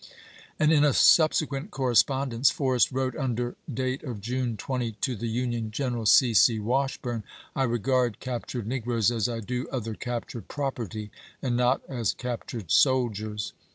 And in a subsequent correspondence Forrest wrote, under date of June 20, to the Union general, C. C. Washburn :" I regard captured negroes as I do other captured property, and not as captured soldiers."